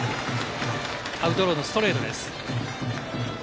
アウトローのストレートです。